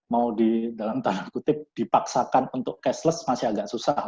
mau di dalam tanda kutip dipaksakan untuk cashless masih agak susah